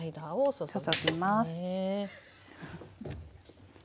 注ぎます。